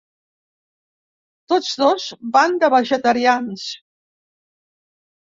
Tots dos van de vegetarians.